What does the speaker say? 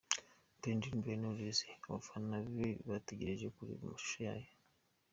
Dore indirimbo ya Knowless abafana be bategereje kureba amashusho yayo.